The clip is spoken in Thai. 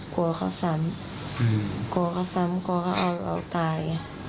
กลัวเขาซ้ำกลัวเขาซ้ำกลัวเขาเอาตาย